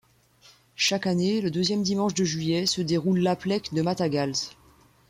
Chaque année, le deuxième dimanche de juillet, se déroule l'aplec de Matagalls.